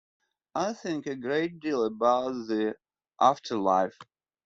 I think a great deal about the after-life.